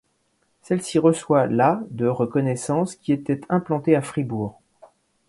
Celle-ci reçoit la de reconnaissance qui était implantée à Fribourg.